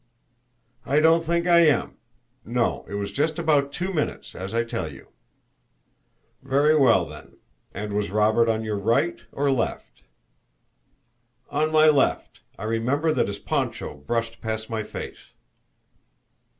"I don't think I am. No; it was just about two minutes, as I tell you." "Very well, then; and was Robert on your right or left?" "On my left. I remember that his poncho brushed past my face."